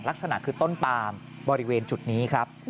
ลักษณะคือต้นปามบริเวณจุดนี้ครับ